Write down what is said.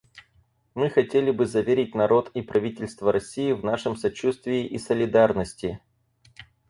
Мы хотели бы заверить народ и правительство России в нашем сочувствии и солидарности.